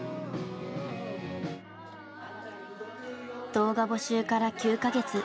動画募集から９か月。